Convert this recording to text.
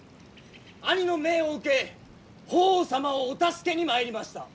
兄の命を受け法皇様をお助けに参りました。